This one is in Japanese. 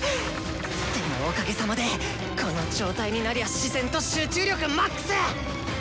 でもおかげさまでこの状態になりゃ自然と集中力ＭＡＸ！